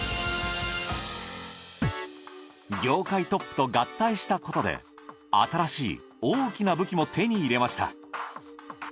業界トップと合体したことで新しい大きな武器も手に入れました。